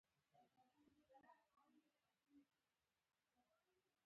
چې د طالبانو د سقوط نه وروسته